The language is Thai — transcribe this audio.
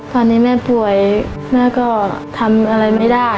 ตอนนี้แม่ป่วยแม่ก็ทำอะไรไม่ได้